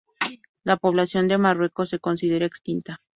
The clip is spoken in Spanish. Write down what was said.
La población de Marruecos se considera extinta.